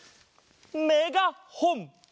メガホン！